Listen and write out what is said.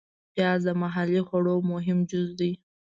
پیاز د محلي خواړو مهم جز دی